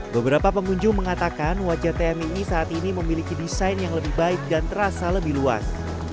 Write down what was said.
beberapa pengunjung mengatakan wajah tmii saat ini memiliki desain yang lebih baik dan terasa lebih luas